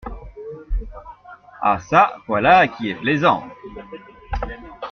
Ah çà ! voilà qui est plaisant !…